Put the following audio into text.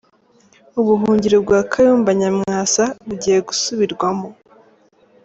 Ubuhungiro bwa Kayumba Nyamwasa bugiye gusubirwamo